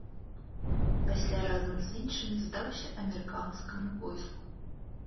Пасля разам з іншымі здаўся амерыканскаму войску.